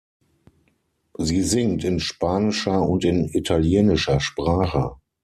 Sie singt in spanischer und in italienischer Sprache.